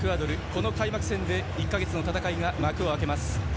この開幕戦で１か月の戦いが幕を開けます。